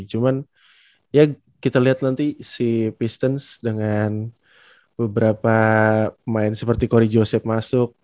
cuman ya kita liat nanti si pistons dengan beberapa main seperti corey joseph masuk